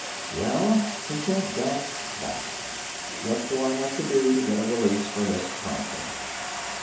"Well," he said, "that's that. What do I have to do to get a release for Miss Thompson?"